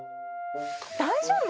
大丈夫？